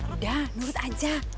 udah nurut aja